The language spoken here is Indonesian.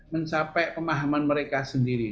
mencapai pemahaman mereka sendiri